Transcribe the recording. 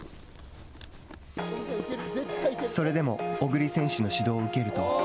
それでも小栗選手の指導を受けると。